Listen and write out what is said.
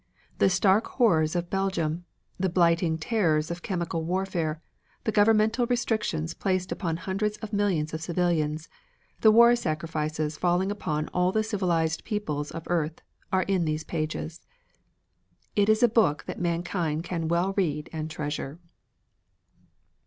The stark horrors of Belgium, the blighting terrors of chemical warfare, the governmental restrictions placed upon hundreds of millions of civilians, the war sacrifices falling upon all the civilized peoples of earth, are in these pages. It is a book that mankind can well read and treasure.